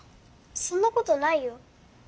そんなことないよ。